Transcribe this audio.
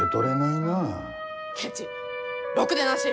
ケチろくでなし！